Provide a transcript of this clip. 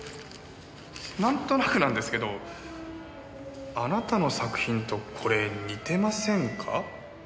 なんとなくなんですけどあなたの作品とこれ似てませんか？